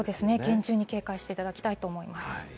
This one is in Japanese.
厳重に警戒していただきたいです。